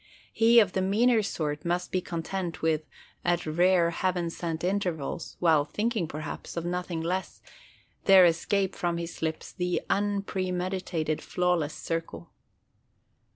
He of the meaner sort must be content if, at rare heaven sent intervals—while thinking, perhaps, of nothing less—there escape from his lips the unpremeditated flawless circle.